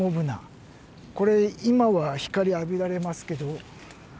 これ今は光浴びられますけど。